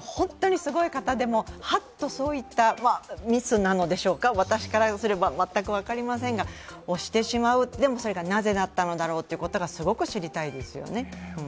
本当にすごい方でも、はっとそういった、ミスなのでしょうか、私からすれば全く分かりませんが、してしまう、それが何だったのか私は知りたいですね。